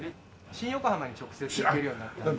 新横浜に直接行けるようになったんで。